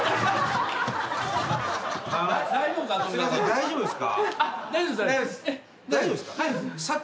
大丈夫です。